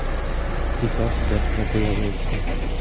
І так де б не появився.